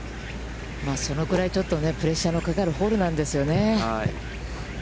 そのぐらいプレッシャーのかかるホールなんですよね。